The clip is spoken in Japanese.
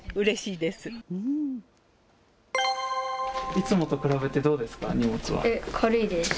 いつもと比べてどうですか、荷物は？